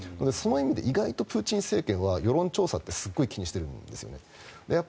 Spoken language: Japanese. そういう意味で意外とプーチン政権は世論調査ってすごく気にしてるんですよね。